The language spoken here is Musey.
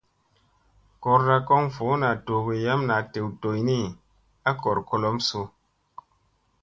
Goorda kon voo doogo yam naa dew doyni a goor kolom su ?